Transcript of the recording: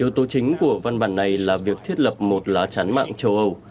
yếu tố chính của văn bản này là việc thiết lập một lá chắn mạng châu âu